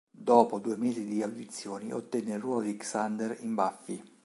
Dopo due mesi di audizioni ottenne il ruolo di Xander in "Buffy".